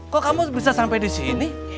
kok kamu bisa sampai di sini